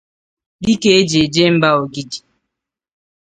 Dikejiejemba Ogidi